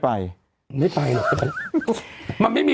ฟังลูกครับ